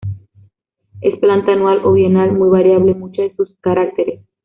Es planta anual o bienal, muy variable en muchos de sus caracteres.